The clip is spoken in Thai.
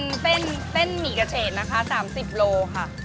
อย่างเซ่นอะถ้าเป็นเซ่นหมี่กระเฉดนะคะ๓๐โลค่ะ